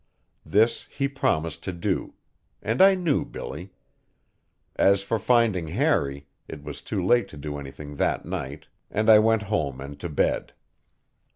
This he promised to do; and I knew Billy. As for finding Harry, it was too late to do anything that night, and I went home and to bed.